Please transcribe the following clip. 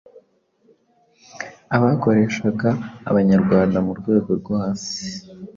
Abakoreshaga Abanyarwanda mu rwego rwo hasi